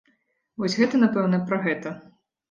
Вось гэта, напэўна, пра гэта.